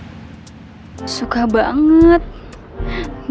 gue suka banget sama lo